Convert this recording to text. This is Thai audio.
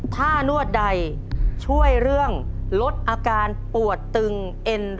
ถ้านวดใดช่วยเรื่องลดอาการปวดตึงเอ็น